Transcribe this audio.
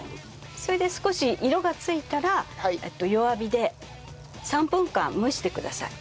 それで少し色がついたら弱火で３分間蒸してください。